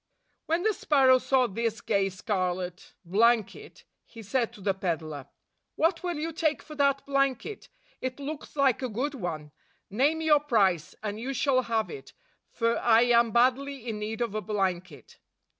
When the sparrow saw this gay scarlet 68 blanket, he said to the peddler, "What will you take for that blanket? It looks like a good one. Name your price, and you shall have it; for I am badly in need of a blanket."